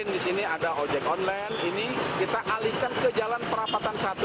di sini ada ojek online ini kita alihkan ke jalan perapatan satu